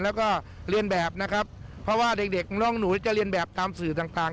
แล้วก็เรียนแบบนะครับเพราะว่าเด็กเด็กน้องหนูจะเรียนแบบตามสื่อต่าง